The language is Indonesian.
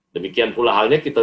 demikian pula halnya